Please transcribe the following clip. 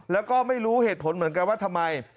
แล้วก็ไม่รู้เหตุผลเหมือนกันว่าทำไม